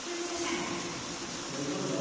じゃあいきますよ。